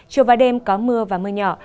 chiều và đêm có mưa và mưa nhỏ